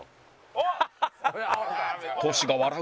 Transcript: あっ！